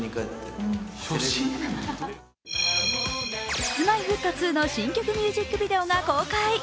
Ｋｉｓ−Ｍｙ−Ｆｔ２の新曲ミュージックビデオが公開。